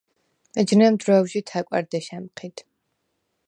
ეჯნემ დრო̈ვჟი თა̈კვა̈რ დეშ ა̈მჴიდ.